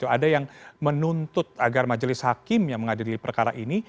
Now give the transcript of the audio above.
ada yang menuntut agar majelis hakim yang mengadili perkara ini